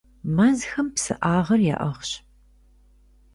Мэзхэм псыӀагъыр яӀыгъщ.